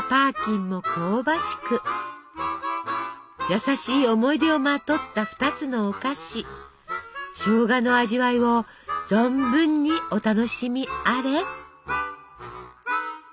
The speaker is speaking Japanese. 優しい思い出をまとった２つのお菓子しょうがの味わいを存分にお楽しみあれ！